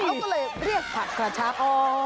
เขาก็เลยเรียกผักกระชับ